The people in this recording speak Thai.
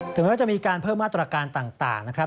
แม้ว่าจะมีการเพิ่มมาตรการต่างนะครับ